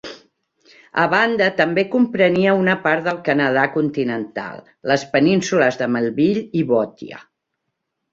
A banda, també comprenia una part del Canadà continental, les penínsules de Melville i Boothia.